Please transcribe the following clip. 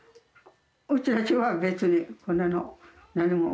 うちたちは別にこんなの何も思わん。